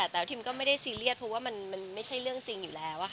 แต่ว่าพิมก็ไม่ได้ซีเรียสเพราะว่ามันไม่ใช่เรื่องจริงอยู่แล้ว